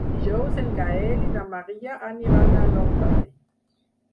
Dijous en Gaël i na Maria aniran a Llombai.